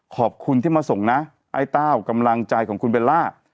ขอบคุณที่มาส่งนะไอ้เต้ากำลังใจของคุณเบลล่า